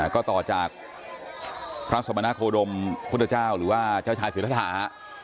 ก็ต่อจากพระสมนาโคดมพุทธเจ้าหรือว่าเจ้าชายศิรธา